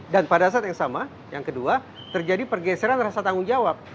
dan pada saat yang sama yang kedua terjadi pergeseran rasa tanggung jawab